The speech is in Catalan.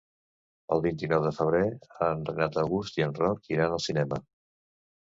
El vint-i-nou de febrer en Renat August i en Roc iran al cinema.